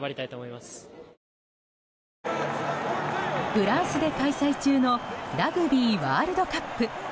フランスで開催中のラグビーワールドカップ。